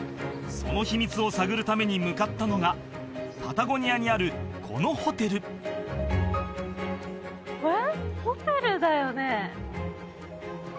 その秘密を探るために向かったのがパタゴニアにあるこのホテルえっ？